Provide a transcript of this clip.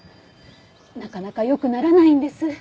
なかなか良くならないんです。